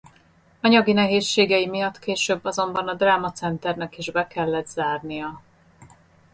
Anyagi nehézségei miatt később azonban a Drama Centernek is be kellett zárnia.